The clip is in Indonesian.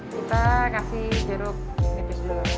kita kasih jeruk nipis dulu